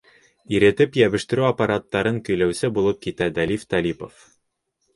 Иретеп йәбештереү аппараттарын көйләүсе булып китә Дәлиф Талипов.